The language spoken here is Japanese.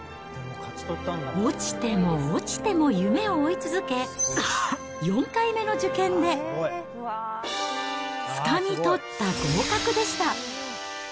落ちても落ちても夢を追い続け、４回目の受験で、つかみ取った合格でした。